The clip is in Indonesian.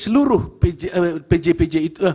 penunjukan pj pj ini